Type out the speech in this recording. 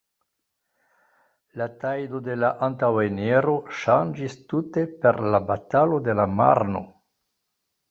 La tajdo de la antaŭeniro ŝanĝis tute per la Batalo de la Marno.